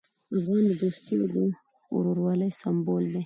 افغان د دوستي او ورورولۍ سمبول دی.